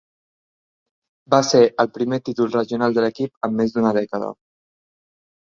Va ser el primer títol regional de l'equip en més d'una dècada.